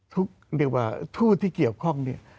เรียกว่าทูตที่เกี่ยวข้องเนี่ย